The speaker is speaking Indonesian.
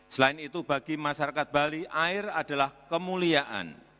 selain itu bagi masyarakat bali air adalah kemuliaan